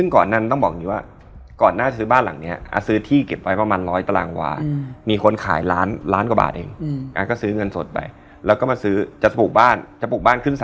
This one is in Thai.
กับชาติมาเกิดแล้วเรียบร้อย